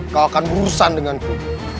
kau akan berurusan denganku